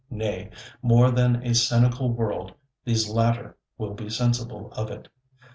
Nay, more than a cynical world, these latter will be sensible of it.